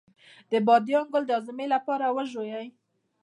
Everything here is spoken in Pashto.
د بادیان ګل د هاضمې لپاره وژويئ